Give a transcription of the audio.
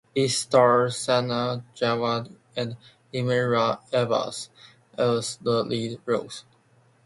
It stars Sana Javed and Imran Abbas as the lead roles.